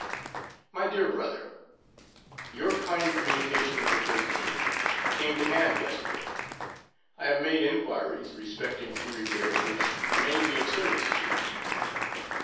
MY DEAR BROTHER: Your kind communication of the 13th came to hand yesterday. I have made inquiries respecting Henry Bibb which may be of service to you.